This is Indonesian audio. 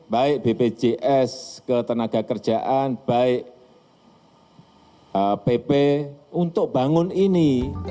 baik bpjs ketenaga kerjaan baik pp untuk bangun ini